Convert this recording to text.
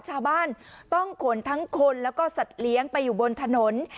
ชาวบ้านต้องขนทั้งคนแล้วก็สัตว์เลี้ยงไปอยู่บนถนน